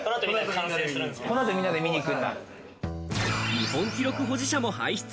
日本記録保持者も輩出！